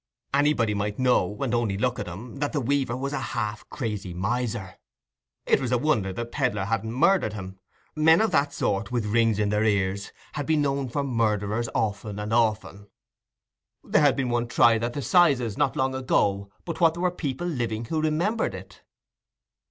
Anybody might know—and only look at him—that the weaver was a half crazy miser. It was a wonder the pedlar hadn't murdered him; men of that sort, with rings in their ears, had been known for murderers often and often; there had been one tried at the 'sizes, not so long ago but what there were people living who remembered it.